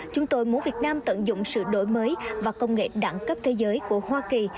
chúng tôi muốn việt nam tận dụng sự đổi mới và công nghệ đẳng cấp thế giới của hoa kỳ